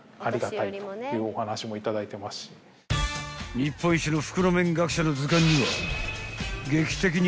［日本一の袋麺学者の図鑑には］